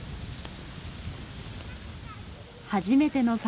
初めての里